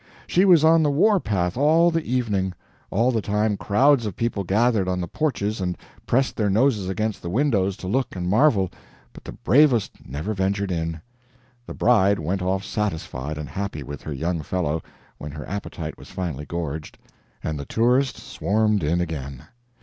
She was on the war path all the evening. All the time, crowds of people gathered on the porches and pressed their noses against the windows to look and marvel, but the bravest never ventured in. The bride went off satisfied and happy with her young fellow, when her appetite was finally gorged, and the tourists swarmed in again.